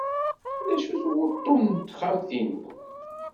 D acu-t wuḍḍun n texxamt-inu?